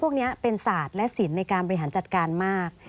ก็จะมีสินในการบริหารจัดการมาก